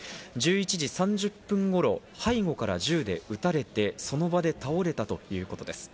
１１時３０分頃、背後から銃で撃たれて、その場で倒れたということです。